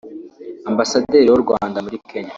Ambasaderi w’u Rwanda muri Kenya